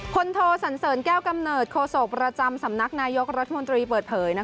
โทสันเสริญแก้วกำเนิดโคศกประจำสำนักนายกรัฐมนตรีเปิดเผย